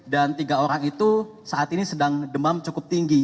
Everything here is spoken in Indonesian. dan tiga orang itu saat ini sedang demam cukup tinggi